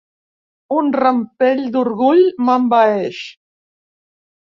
Un rampell d'orgull m'envaeix.